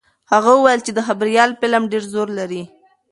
هغه وویل چې د خبریال قلم ډېر زور لري.